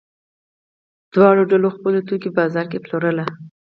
دواړو ډلو خپل توکي په بازار کې پلورل.